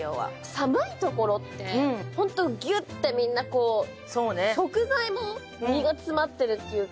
寒い所ってホントぎゅってみんなこう食材も身が詰まってるっていうか。